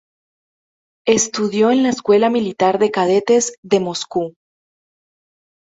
Estudió en la Escuela militar de cadetes de Moscú.